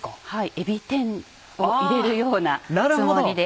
エビ天を入れるようなつもりで。